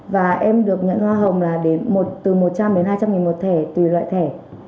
và em được nhận hoa hồng là từ một trăm linh đến hai trăm linh nghìn một thẻ tùy loại thẻ